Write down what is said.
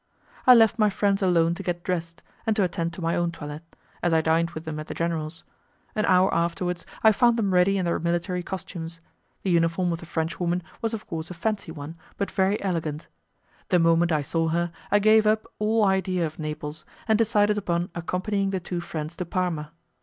I left my friends alone to get dressed, and to attend to my own toilet, as I dined with them at the general's. An hour afterwards I found them ready in their military costumes. The uniform of the Frenchwoman was of course a fancy one, but very elegant. The moment I saw her, I gave up all idea of Naples, and decided upon accompanying the two friends to Parma.